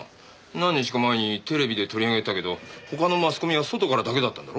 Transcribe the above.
何日か前にテレビで取り上げてたけど他のマスコミは外からだけだったんだろ？